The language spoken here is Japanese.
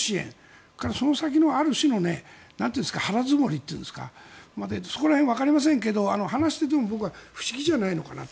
それからその先のある種の腹積もりっていうんですかそこら辺わかりませんが話していても僕は不思議じゃないのかなと。